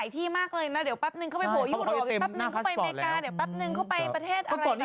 แต่แขนยกได้แฟนก็เลยตกใจ